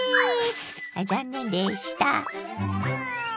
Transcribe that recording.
あっ残念でした。